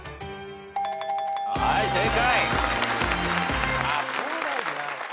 はい正解。